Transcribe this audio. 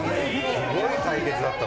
すごい対決だった。